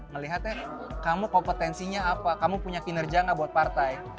ngelihatnya kamu kompetensinya apa kamu punya kinerja gak buat partai